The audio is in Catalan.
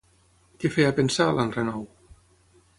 Què feia pensar, l'enrenou?